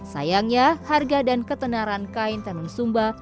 sayangnya harga dan ketenaran kain tenun sumba